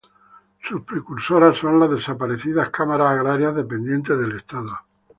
Sus precursoras son las desaparecidas "Cámaras Agrarias", dependientes del Estado.